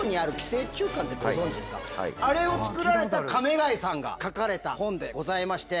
あれをつくられた亀谷さんが書かれた本でございまして。